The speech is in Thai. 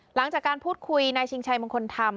หลังจากการพูดคุยนายชิงชัยมงคลธรรม